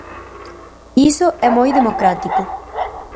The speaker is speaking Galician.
Iso é moi democrático.